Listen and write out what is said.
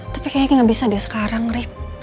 tapi kayaknya gak bisa deh sekarang rih